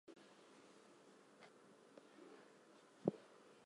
The first issue was titled Gothic Blimp Works Presents: Jive Comics.